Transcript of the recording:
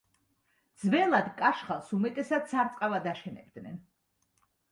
ძველად კაშხალს უმეტესად სარწყავად აშენებდნენ.